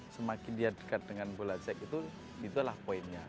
semakin dia dekat dengan bola jack itu itulah poinnya